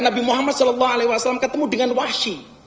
nabi muhammad ketemu dengan wahsy